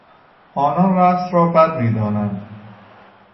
آنان رقص را بد میدانند.